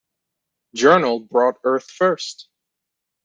Journal brought Earth First!